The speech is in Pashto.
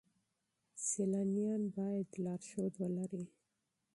سیلانیان باید لارښود ولرئ.